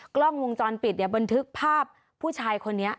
กล้องวงจรปิดเนี่ยบันทึกภาพผู้ชายคนนี้